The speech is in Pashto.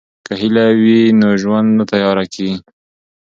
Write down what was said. که هیله وي نو ژوند نه تیاره کیږي.